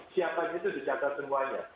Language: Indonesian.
siapanya itu dicatat semuanya